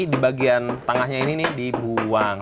di bagian tengahnya ini nih dibuang